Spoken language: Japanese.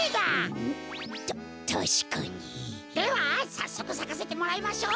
さっそくさかせてもらいましょう！